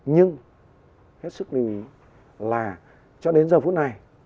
nhưng hết sức lưu ý là cho đến giờ phút này